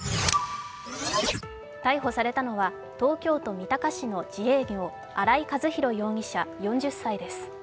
逮捕されたのは東京都三鷹市の自営業、荒井和洋容疑者、４０歳です。